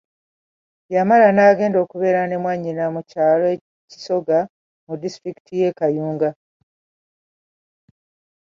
Yamala n'agenda okubeera ne mwanyina mu kyalo kisoga mu disitulikiti y'e Kayunga.